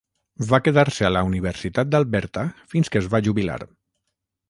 Va quedar-se a la Universitat d'Alberta fins que es va jubilar.